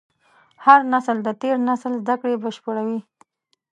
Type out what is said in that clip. هر نسل د تېر نسل زدهکړې بشپړوي.